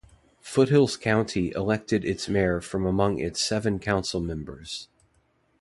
Foothills County elects its mayor from among its seven council members.